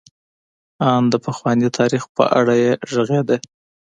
ان د پخواني تاریخ په اړه یې غږېده.